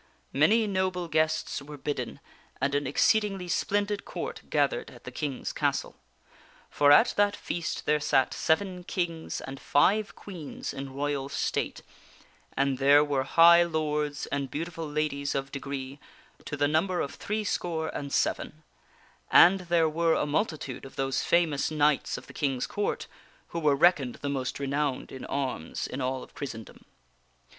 Many noble guests were bidden, and an exceedingly splendid Court gathered at the King's castle. For at that feast there sat seven kings and five queens in royal state, and there were high lords and beautiful ladies of degree, to the number of three score and seven ; and there were a multitude of those famous knights of the King's Court who were reckoned the ffow King most renowned in arms in all of Christendom.